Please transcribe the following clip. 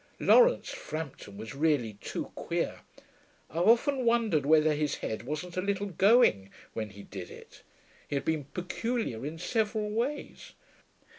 Laurence Frampton was really too queer. I've often wondered whether his head wasn't a little going when he did it; he had been peculiar in several ways.